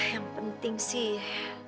yang penting sih